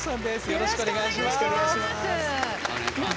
よろしくお願いします。